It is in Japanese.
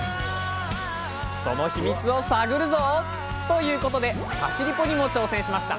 そのヒミツを探るぞ！ということで「立ちリポ」にも挑戦しました！